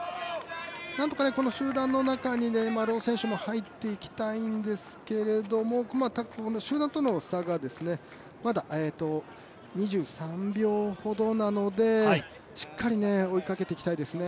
なんとかこの集団の中に丸尾選手も入っていきたいんですけども集団との差が、まだ２３秒ほどなのでしっかり追いかけていきたいですね。